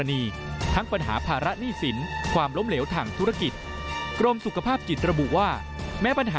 อธิบดีจากการข้างออกการคนรอบข้าง